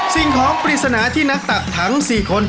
สิ่งของพรีศนาที่นัดตัดทั้งสี่คน